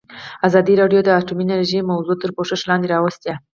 ازادي راډیو د اټومي انرژي موضوع تر پوښښ لاندې راوستې.